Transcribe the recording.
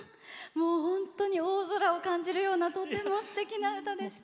本当に大空を感じるようなとてもすてきな歌でした。